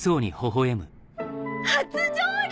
初上陸！